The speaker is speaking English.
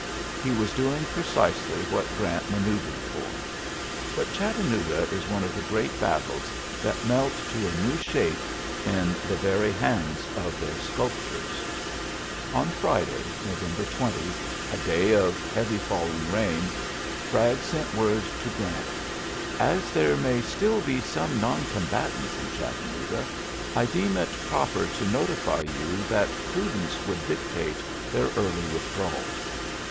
He was doing precisely what Grant manoeuvred for. But Chattanooga is one of the great battles that melt to a new shape in the very hands of their sculptors. iiorary v^oiu yy*"' 90 ULYSSES S. GEAIH? On Friday, November 20, a da heavy Mling rain, Bragg sent woi Grant, "As there may still be some combatants in Chattanooga, I dee proper to notify yon that prudence "w dictate their early withdrawal.''